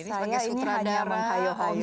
saya ini hanya menghayuh hayuh